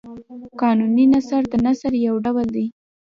قانوني نثر د نثر یو ډول دﺉ.